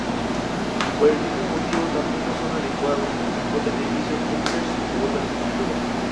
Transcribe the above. Por el mismo motivo, tampoco son adecuados contra edificios, búnkers u otras estructuras.